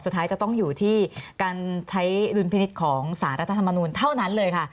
สุดท้ายจะต้องอยู่ที่การใช้ดุลพินิษฐ์ของสารรัฐธรรมนูลเท่านั้นเลยค่ะ